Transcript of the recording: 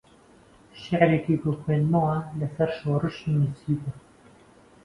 شیعرێکی بۆ خوێندمەوە لەسەر شۆڕشی نووسیبوو